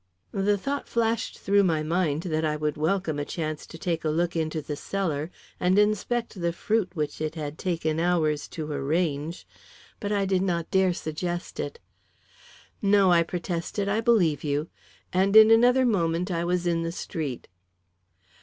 The thought flashed through my mind that I would welcome a chance to take a look into the cellar, and inspect the fruit which it had taken hours to arrange, but I did not dare suggest it. "No," I protested; "I believe you," and in another moment I was in the street.